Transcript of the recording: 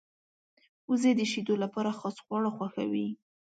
وزې د شیدو لپاره خاص خواړه خوښوي